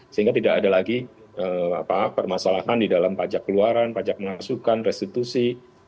sehingga tidak ada lagi permasalahan di dalam pajak keluaran pajak masukan restitusi